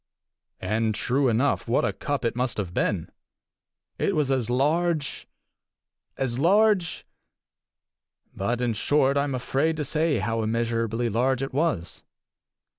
And, true enough, what a cup it must have been! It was as large as large but, in short, I am afraid to say how immeasurably large it was.